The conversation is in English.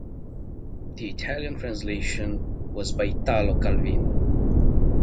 The Italian translation was by Italo Calvino.